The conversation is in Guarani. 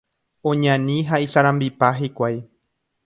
Oñani ha isarambipa hikuái.